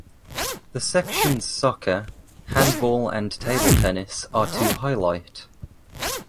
The sections soccer, hand ball and table tennis are to highlight.